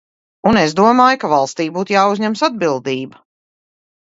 Un es domāju, ka valstij būtu jāuzņemas atbildība.